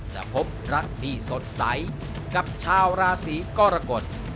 จะพบรักที่สดใสกับชาวราศีกรกฎ